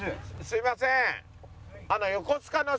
すいません。